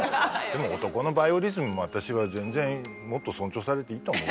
でも男のバイオリズムも私は全然もっと尊重されていいと思うわよ。